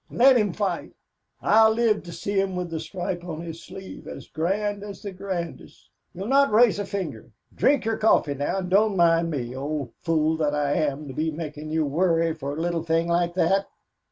Let him fight. I'll live to see him with the stripe on his sleeve as grand as the grandest. You'll not raise a finger. Drink your coffee now, and don't mind me, old fool that I am to be makin' you worry for a little thing like that."